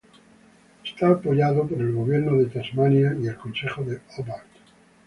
Es apoyado por el Gobierno de Tasmania y el Consejo de Hobart.